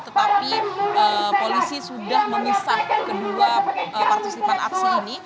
tetapi polisi sudah memisah kedua partisipan aksi ini